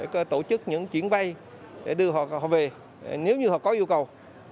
để tổ chức những chuyến bay để đưa họ về nếu như họ có nhu cầu